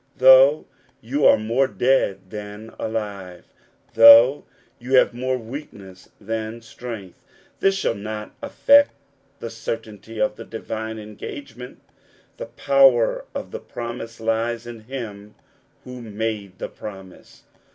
Though you are more dead than alive, though you have more weakness than strength, this shall not affect the certainty of the divine engagement. The power of the promise lies in him who made the promise.